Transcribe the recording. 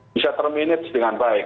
bisa terminates dengan baik